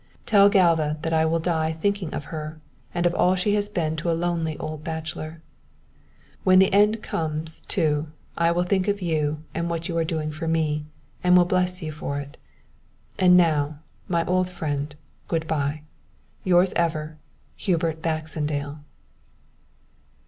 Tell Galva that I will die thinking of her and of all she has been to a lonely old bachelor._ "When the end comes, too, I will think of you and of what you are doing for me, and will bless you for it. "And now, my old friend, good bye. "Yours ever, _HUBERT BAXENDALE.